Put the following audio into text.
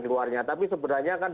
keluarnya tapi sebenarnya kan